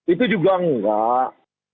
itu juga enggak